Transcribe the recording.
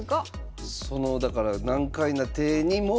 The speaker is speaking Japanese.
そのだから難解な手にも。